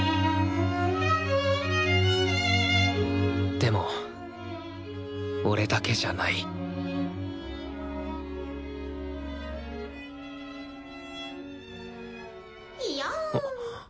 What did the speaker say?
でも俺だけじゃないいやん。